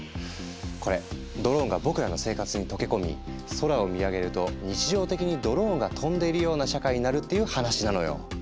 これドローンが僕らの生活に溶け込み空を見上げると日常的にドローンが飛んでいるような社会になるっていう話なのよ。